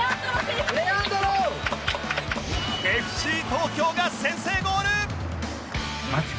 ＦＣ 東京が先制ゴール！